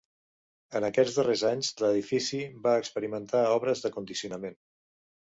En aquests darrers anys l'edifici va experimentar obres de condicionament.